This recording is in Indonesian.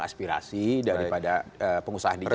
aspirasi daripada pengusaha di jakarta